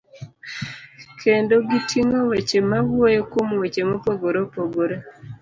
kendo giting'o weche mawuoyo kuom weche mopogore opogore.